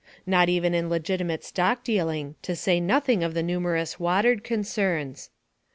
Not even in legitimate stock dealing, to say nothing of the numerous watered concerns.